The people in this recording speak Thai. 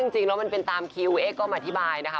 จริงแล้วมันเป็นตามคิวเอ๊กก็มาอธิบายนะคะ